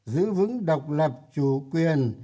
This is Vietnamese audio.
giữ vững độc lập chủ quyền